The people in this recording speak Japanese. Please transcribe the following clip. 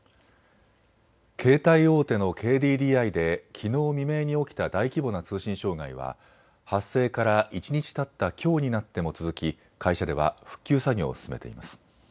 携帯大手のＫＤＤＩできのう未明に起きた大規模な通信障害は発生から一日たったきょうになっても続き会社では復旧作業を進めています。